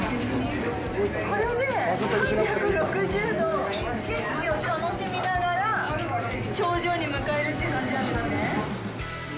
これで３６０度、景色を楽しみながら頂上に向かえるって感じなんですね。